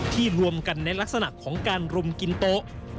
รวมกันในลักษณะของการรุมกินโต๊ะ